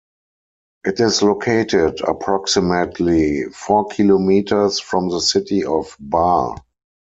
It is located approximately four kilometers from the city of Bar.